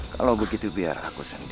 kalau begitu biar aku sendiri